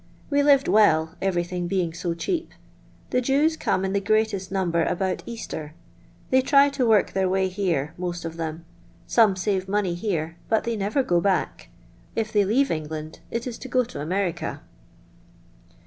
We lived well, everything being so cheap. The Jews come in the greatest number about Easter. They try to work their way here, most of them. Some save money here, but they never go back; if they leave England it is to go to America."